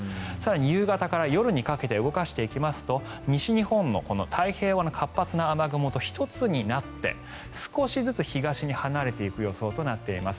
夕方から夜にかけて動かしていきますと西日本の太平洋側の活発な雨雲と１つになって少しずつ東に離れていく予想となっています。